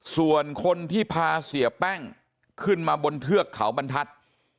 ส่วนคนที่พาเสียแป้งขึ้นมาบนเทือกเขาบรรทัศน์